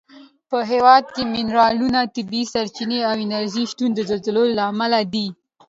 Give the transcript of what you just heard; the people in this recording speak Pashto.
په هېواد کې منرالونه، طبیعي سرچینې او انرژي شتون د زلزلو له امله دی.